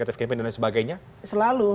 negatif kempen dan lain sebagainya selalu